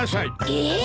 えっ！？